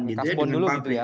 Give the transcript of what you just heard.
kasbon dulu gitu ya